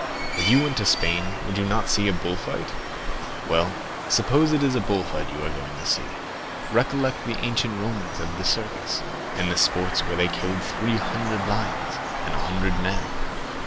If you went to Spain, would you not see the bull fights? Well, suppose it is a bull fight you are going to see? Recollect the ancient Romans of the Circus, and the sports where they killed three hundred lions and a hundred men.